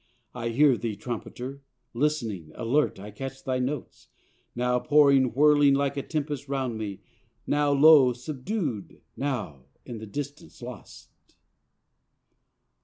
I hear thee, trumpeter listening, alert, I catch thy notes, Now pouring, whirling like a tempest round me, Now low, subdued now in the distance lost."